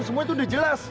semua itu udah jelas